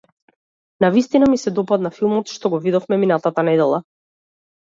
Навистина ми се допадна филмот што го видовме минатата недела.